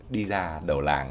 đi ra đầu làng